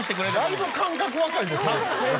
だいぶ感覚若いでそれ。